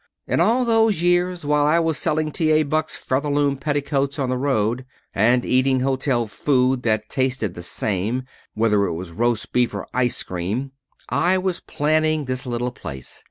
In all those years while I was selling T. A. Buck's Featherloom Petticoats on the road, and eating hotel food that tasted the same, whether it was roast beef or ice cream, I was planning this little place.